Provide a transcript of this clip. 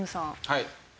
はい。